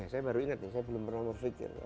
saya baru inget saya belum pernah berpikir